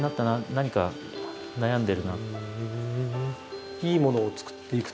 「何か悩んでるな」。